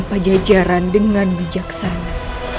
pajajaran dengan bijaksana